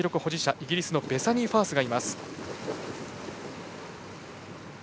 イギリスのベサニー・ファースがいます。